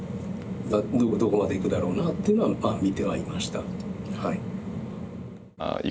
どこまでいくだろうなっていうのはまあ見てはいました。